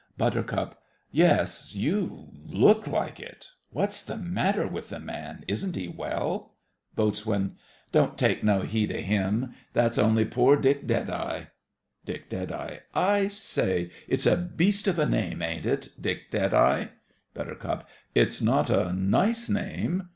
BUT. Yes, you look like it! What's the matter with the man? Isn't he well? BOAT. Don't take no heed of him; that's only poor Dick Deadeye. DICK. I say—it's a beast of a name, ain't it—Dick Deadeye? BUT. It's not a nice name.